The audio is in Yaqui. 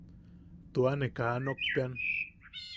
Tua ne kaa nokpeʼean.